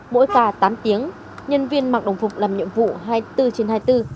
mỗi phà tám tiếng nhân viên mặc đồng phục làm nhiệm vụ hai mươi bốn trên hai mươi bốn